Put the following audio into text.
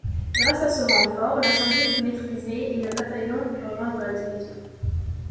Grâce à ce renfort, l'incendie fut maîtrisé et la bataillon put rejoindre la division.